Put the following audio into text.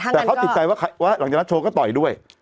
แต่เขาติดใจว่าหลังจากนั้นโชว์ก็ต่อยด้วย